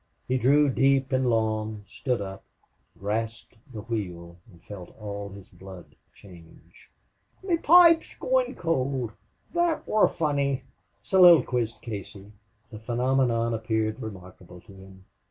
He drew deep and long, stood up, grasped the wheel, and felt all his blood change. "Me poipe goin' cold that wor funny!" soliloquized Casey. The phenomenon appeared remarkable to him.